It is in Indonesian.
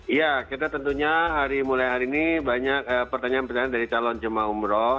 iya kita tentunya hari mulai hari ini banyak pertanyaan pertanyaan dari calon jemaah umroh